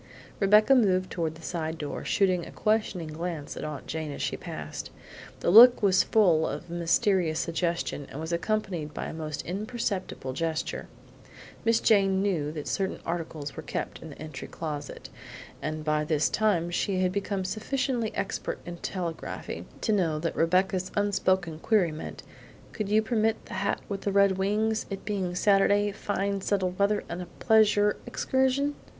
Rebecca moved toward the side door, shooting a questioning glance at Aunt Jane as she passed. The look was full of mysterious suggestion and was accompanied by an almost imperceptible gesture. Miss Jane knew that certain articles were kept in the entry closet, and by this time she had become sufficiently expert in telegraphy to know that Rebecca's unspoken query meant: "COULD YOU PERMIT THE HAT WITH THE RED WINGS, IT BEING SATURDAY, FINE SETTLED WEATHER, AND A PLEASURE EXCURSION?"